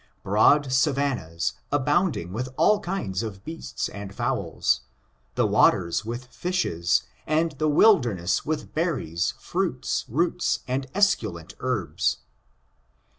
Broad savannas, abounding with all kinds oi beasts and fowls — the waters with fishes, and the wilderness with berries, fruits, roots and esculent herbs.